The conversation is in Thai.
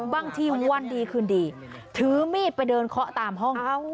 บางทีวันดีคืนดีถือมีดไปเดินเคาะตามห้อง